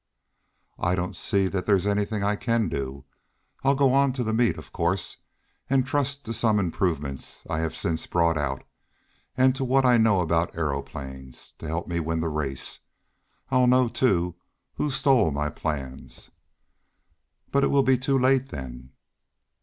"I don't see that there is anything I can do. I'll go on to the meet, of course, and trust to some improvements I have since brought out, and to what I know about aeroplanes, to help me win the race. I'll know, too, who stole my plans." "But it will be too late, then."